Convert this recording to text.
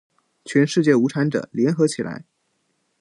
全世界无产者，联合起来！